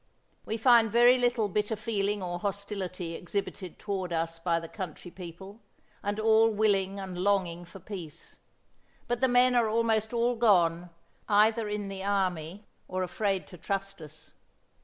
"We find very little bitter feeling or hostility exhibited toward us by the country people, and all willing and longing for peace. But the men are almost all gone, either in the army or afraid to trust us.